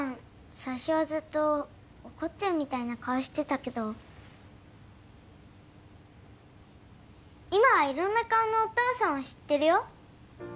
最初はずっと怒ってるみたいな顔してたけど今はいろんな顔のお父さんを知ってるよ